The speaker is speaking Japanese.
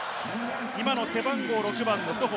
今の背番号６番のソホ。